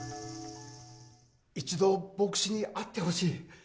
一度、牧師に会ってほしい。